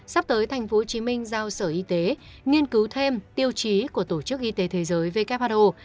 sắp tới tp hcm giao sở y tế nghiên cứu thêm tiêu chí của tổ chức y tế thế giới who